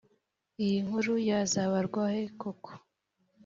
iyi nkuru yazabarwahe koko?"